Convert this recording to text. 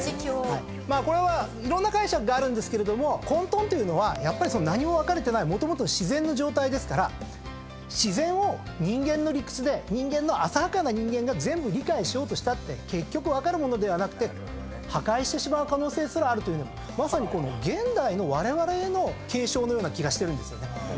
これはいろんな解釈があるんですが渾沌というのは何も分かれてないもともとの自然の状態ですから自然を人間の理屈で浅はかな人間が全部理解しようとしたって結局分かるものではなくて破壊してしまう可能性すらあるとまさに現代のわれわれへの警鐘のような気がしてるんですよ。